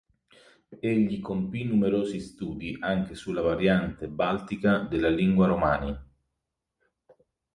Egli compì numerosi studi anche sulla variante baltica della lingua romaní.